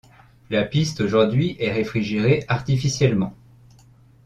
La piste aujourd'hui est réfrigérée artificiellement.